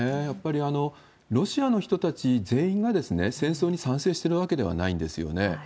やっぱりロシアの人たち全員が戦争に賛成してるわけではないんですよね。